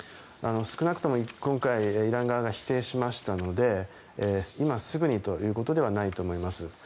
少なくとも今回イラン側が否定しましたので今すぐにということではないと思います。